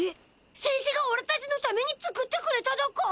せんせがおらたちのために作ってくれただか？